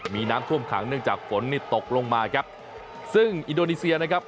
มีน้ำท่วมขังเนื่องจากฝนนี่ตกลงมาครับซึ่งอินโดนีเซียนะครับ